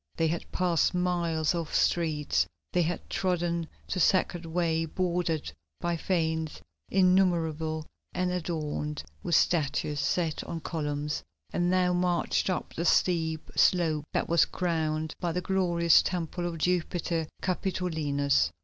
They had passed miles of streets; they had trodden the Sacred Way bordered by fanes innumerable and adorned with statues set on columns; and now marched up the steep slope that was crowned by the glorious temple of Jupiter Capitolinus.